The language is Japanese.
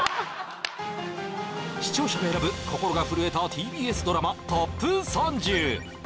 視聴者が選ぶ心が震えたＴＢＳドラマＴＯＰ３０第３位は